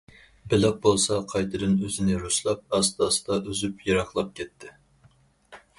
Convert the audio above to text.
بېلىق بولسا قايتىدىن ئۆزىنى رۇسلاپ، ئاستا- ئاستا ئۈزۈپ يىراقلاپ كەتتى.